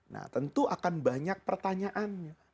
nah tentu akan banyak pertanyaannya